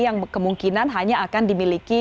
yang kemungkinan hanya akan dimiliki